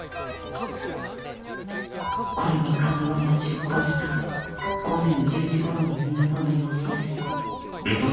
これは「ＫＡＺＵ」が出港した午前１０時頃の港の様子です